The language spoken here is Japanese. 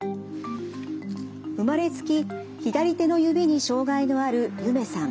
生まれつき左手の指に障害のあるゆめさん。